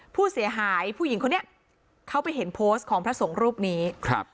ผู้เสียหายผู้หญิงคนนี้เขาไปเห็นโพสต์ของพระสงฆ์รูปนี้ครับ